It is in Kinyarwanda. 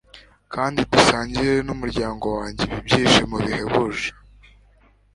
kandi dusangire n'umuryango wanjye ibi byishimo bihebuje